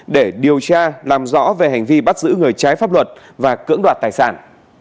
để điều tra làm rõ về hành vi bắt giữ người trái pháp luật và cưỡng đoạt tài sản